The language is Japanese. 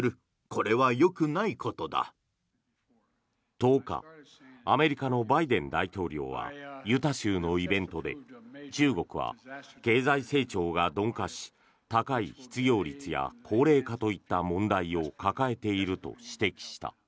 １０日アメリカのバイデン大統領はユタ州のイベントで中国は経済成長が鈍化し高い失業率や高齢化といった問題を抱えていると指摘した。